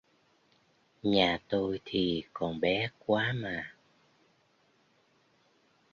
Nhà tôi thì còn bé quá mà